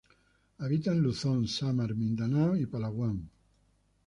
Habita en Luzon, Samar, Mindanao y Palawan.